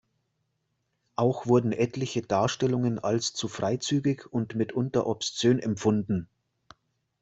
Auch wurden etliche Darstellungen als zu freizügig und mitunter obszön empfunden.